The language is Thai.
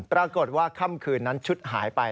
ปรากฏว่าค่ำคืนนั้นชุดหายไป